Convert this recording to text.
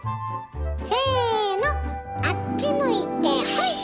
せのあっち向いてホイ！